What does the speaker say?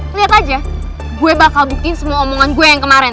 lihat aja gue bakal buktiin semua omongan gue yang kemarin